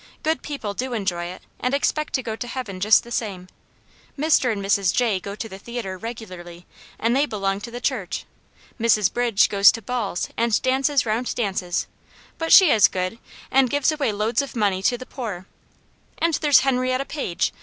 Good people do enjoy it, and expect to go to heaven just the same. Mr. and Mrs. Jay go to the theatre regularly, and they belong to the church. Mrs. Bridges goes to balls, and dances round dances, but she is good, and gives 3L>way \o;xdi^ ol tacit^^ ^\.^ th^ Awtt Jane's Hero, 209 poor. And there's Henrietta Page!